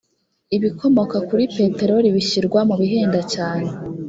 ibikomoka kuri peteroli bishyirwa mubihenda cyane.